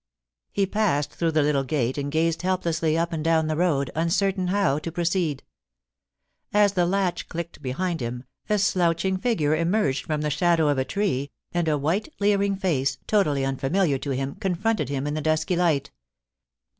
He passed through the little gate and gazed helplessly up and down the road, uncertain how to proceed. As the latch clicked behind him, a slouching figure emerged from the shadow of a tree, and a white leering face, totally im familiar to him, confronted him in the dusky light.